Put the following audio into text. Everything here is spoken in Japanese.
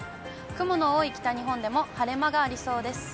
雲の多い北日本でも晴れ間がありそうです。